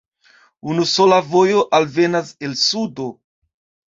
Unusola vojo alvenas el sudo.